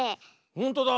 ほんとだ。